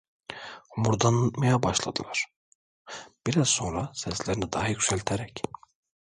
Homurdanmaya başladılar; biraz sonra seslerini daha yükselterek: